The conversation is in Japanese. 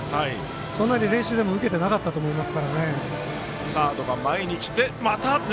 そんなに練習でも受けてなかったと思います。